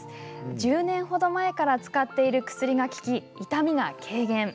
１０年ほど前から使っている薬が効き、痛みが軽減。